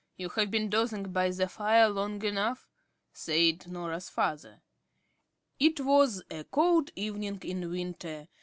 You have been dozing by the fire long enough," said Norah's father. It was a cold evening in winter.